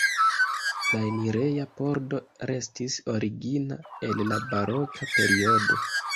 La enireja pordo restis origina el la baroka periodo.